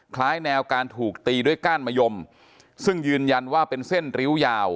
แนวการถูกตีด้วยก้านมะยมซึ่งยืนยันว่าเป็นเส้นริ้วยาว